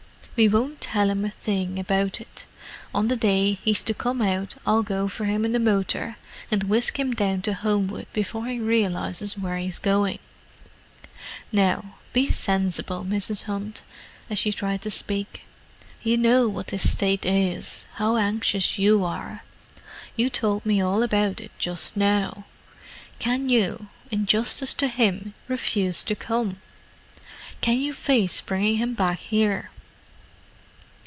We won't tell him a thing about it: on the day he's to come out I'll go for him in the motor and whisk him down to Homewood before he realizes where he's going. Now, be sensible, Mrs. Hunt"—as she tried to speak. "You know what his state is—how anxious you are: you told me all about it just now. Can you, in justice to him, refuse to come?—can you face bringing him back here?"